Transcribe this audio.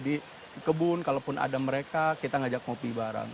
di kebun kalaupun ada mereka kita ngajak ngopi bareng